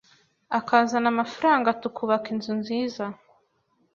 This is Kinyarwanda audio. akazana amafaranga tukubaka inzu nziza